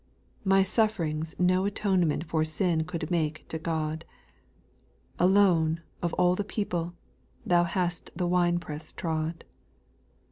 3. My sufferings no atonement For sin could make to God ; Alone, of all the people, Thou hast the winepress trod.